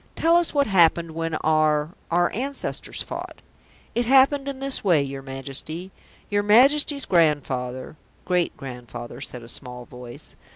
"Tell us what happened when our our ancestors fought." "It happened in this way, your Majesty. Your Majesty's grandfather " "Great grandfather," said a small voice.